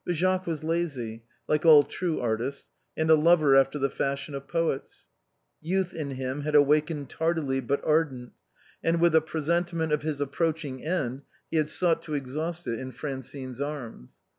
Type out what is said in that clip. But Jacques was lazy, like all true artists, and a lover after the fashion of poets. Youth in him had awakened tardy but ardent, and, with a presentiment of his approaching 242 THE BOHEMIANS OF THE LATIN QUARTER. end, he had sought to exhaust it in Francine's arms.